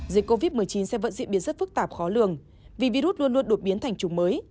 dịch covid một mươi chín sẽ vẫn diễn biến rất phức tạp khó lường vì virus luôn luôn đột biến thành chủng mới